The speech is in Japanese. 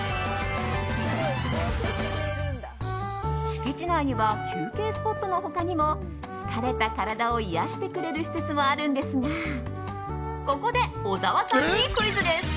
敷地内には休憩スポットの他にも疲れた体を癒やしてくれる施設もあるんですがここで小沢さんにクイズです。